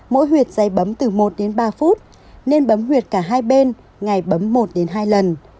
mỗi huyệt dây bấm từ một ba phút nên bấm huyệt cả hai bên ngày bấm một hai lần